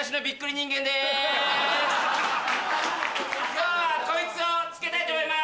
今日はこいつを付けたいと思います。